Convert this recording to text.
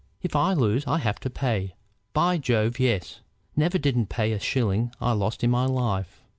If I lose I have to pay. By Jove, yes! Never didn't pay a shilling I lost in my life!